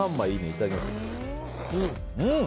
いただきます。